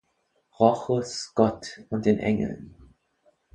Rochus, Gott und den Engeln.